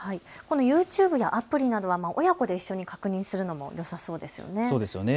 アプリなどは親子で一緒に確認するのもよさそうですよね。